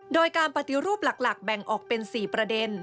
โดยการปฏิรูปหลักแบ่งออกเป็น๔ประเด็น